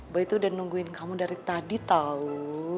bu itu udah nungguin kamu dari tadi tau